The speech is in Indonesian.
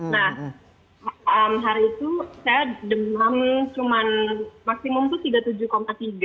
nah hari itu saya demam cuma maksimum itu tiga puluh tujuh tiga